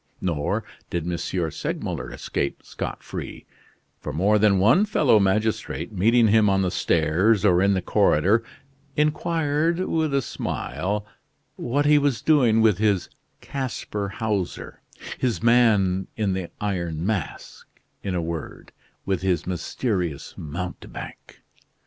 Nor did M. Segmuller escape scot free; for more than one fellow magistrate, meeting him on the stairs or in the corridor, inquired, with a smile, what he was doing with his Casper Hauser, his man in the Iron Mask, in a word, with his mysterious mountebank.